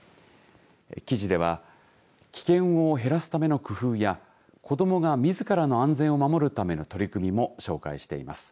記事では危険を減らすための工夫や子どもがみずからの安全を守るための取り組みも紹介しています。